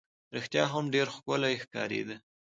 رښتیا هم ډېره ښکلې ښکارېده.